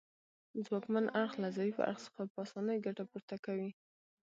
ځواکمن اړخ له ضعیف اړخ څخه په اسانۍ ګټه پورته کوي